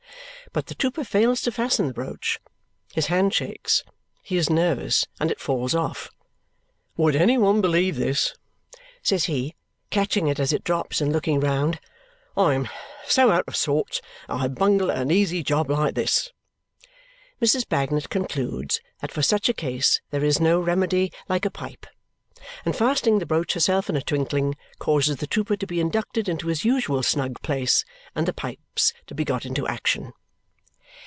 But the trooper fails to fasten the brooch. His hand shakes, he is nervous, and it falls off. "Would any one believe this?" says he, catching it as it drops and looking round. "I am so out of sorts that I bungle at an easy job like this!" Mrs. Bagnet concludes that for such a case there is no remedy like a pipe, and fastening the brooch herself in a twinkling, causes the trooper to be inducted into his usual snug place and the pipes to be got into action.